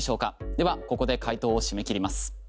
ではここで回答を締め切ります。